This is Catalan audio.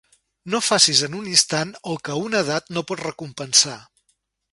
No facis en un instant el que una edat no pot recompensar.